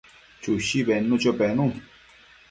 Chushi bednucho penun